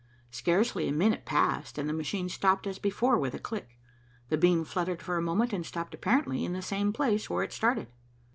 Scarcely a minute passed, and the machine stopped as before, with a click. The beam fluttered for a moment, and stopped apparently in the same place where it started.